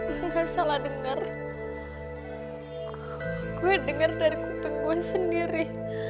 gue nggak salah dengar gue dengar dari kuteng gue sendiri